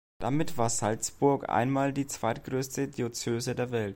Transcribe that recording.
Damit war Salzburg einmal die zweitgrößte Diözese der Welt.